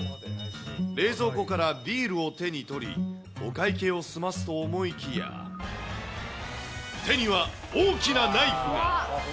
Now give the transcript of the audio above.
冷蔵庫からビールを手に取り、お会計を済ますと思いきや、手には大きなナイフが。